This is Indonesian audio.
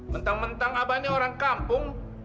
mentang mentang abah ini orang kampung